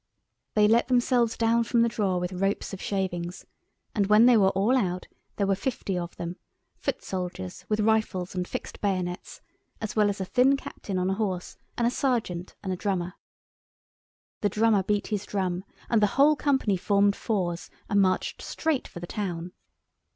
They let themselves down from the drawer with ropes of shavings, and when they were all out there were fifty of them—foot soldiers with rifles and fixed bayonets, as well as a thin captain on a horse and a sergeant and a drummer. The drummer beat his drum and the whole company formed fours and marched straight for the town.